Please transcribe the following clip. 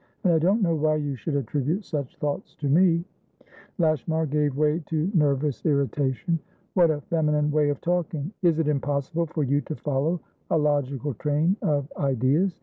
And I don't know why you should attribute such thoughts to me." Lashmar gave way to nervous irritation. "What a feminine way of talking! Is it impossible for you to follow a logical train of ideas?